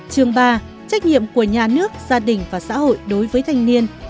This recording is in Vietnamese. trường ba trách nhiệm của nhà nước gia đình và xã hội đối với thanh niên